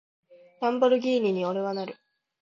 ランボルギーニに、俺はなる！